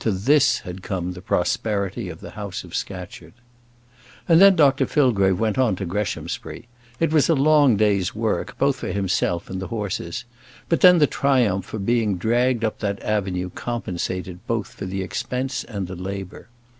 To this had come the prosperity of the house of Scatcherd! And then Dr Fillgrave went on to Greshamsbury. It was a long day's work, both for himself and the horses; but then, the triumph of being dragged up that avenue compensated for both the expense and the labour.